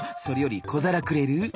それより小皿くれる？